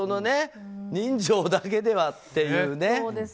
人情だけではっていうね。